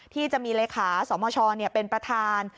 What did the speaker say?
ที่จะมีเลขาสมชเป็นประธาน